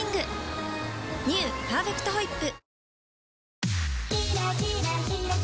「パーフェクトホイップ」